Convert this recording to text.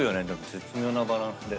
絶妙なバランスで。